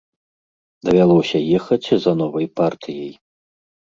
Давялося ехаць за новай партыяй.